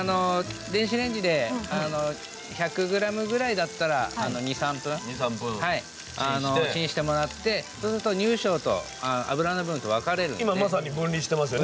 電子レンジで１００ｇぐらいだったら２３分チンしてもらって乳しょうと脂の部分と分かれるんですね。